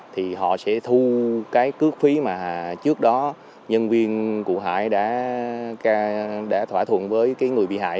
thì họ sẽ thu cái cước phí mà trước đó nhân viên cụ hải đã thỏa thuận với cái người bị hại